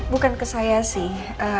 bukan ke saya sih